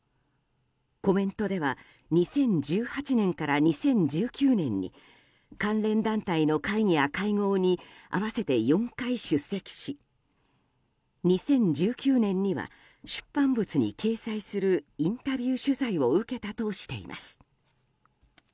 コメントでは２０１８年から２０１９年に関連団体の会議や会合に合わせて４回出席し２０１９年には出版物に掲載するインタビュー取材を受けたとしています。